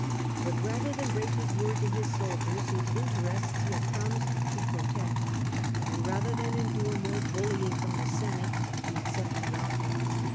But rather than break his word to his soldiers (whose interests he had promised to protect), and rather than endure more bullying from the Senate, he accepted the offer.